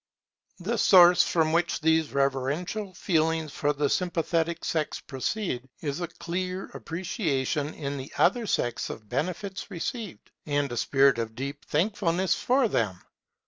The source from which these reverential feelings for the sympathetic sex proceed, is a clear appreciation in the other sex of benefits received, and a spirit of deep thankfulness for them.